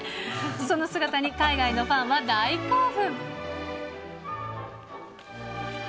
その姿に海外のファンは大興奮。